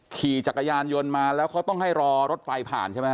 ขี่จักรยานยนต์มาแล้วเขาต้องให้รอรถไฟผ่านใช่ไหมฮ